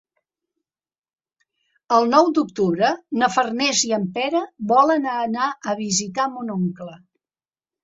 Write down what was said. El nou d'octubre na Farners i en Pere volen anar a visitar mon oncle.